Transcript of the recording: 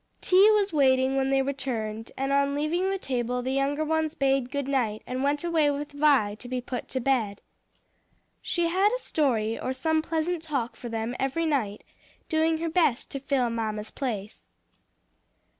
Tea was waiting when they returned, and on leaving the table the younger ones bade good night, and went away with Vi to be put to bed. She had a story or some pleasant talk for them every night; doing her best to fill mamma's place.